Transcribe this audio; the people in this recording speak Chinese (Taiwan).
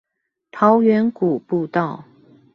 桃源谷步道